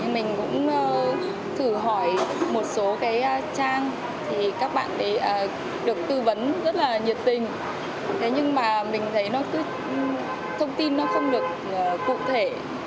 mình cũng thử hỏi một số trang các bạn được tư vấn rất là nhiệt tình nhưng mà mình thấy thông tin nó không được cụ thể